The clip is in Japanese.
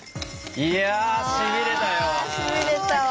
いやしびれたよ。